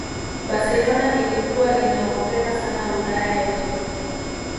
Barcelona ilikuwa inaogopeka sana ulaya yote